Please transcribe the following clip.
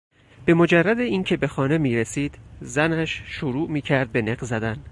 به مجرد اینکه به خانه میرسید زنش شروع میکرد به نق زدن.